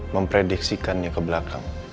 memprediksikannya ke belakang